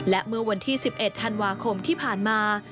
และเมื่อวันที่๑๑ธันวาคมที่ผ่านมา